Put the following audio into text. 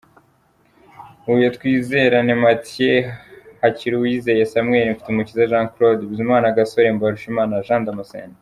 Huye: Twizerane Mathieu, Hakiruwizeye Samuel, Mfitumukiza Jean Claude, Bizimana Gasore, Mbarushimana Jean Damacene.